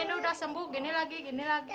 ini udah sembuh gini lagi gini lagi